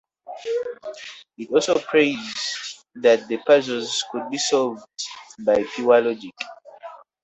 It also praised that the puzzles could be solved by pure logic.